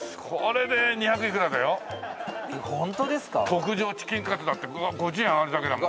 特上チキンカツだって５０円上がるだけだもん。